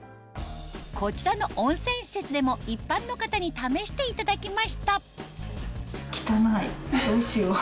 こちらの温泉施設でも一般の方に試していただきました